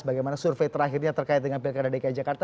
bagaimana survei terakhirnya terkait dengan pilkada dki jakarta